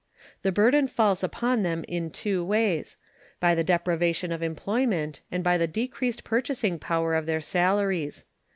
The burden falls upon them in two ways by the deprivation of employment and by the decreased purchasing power of their salaries.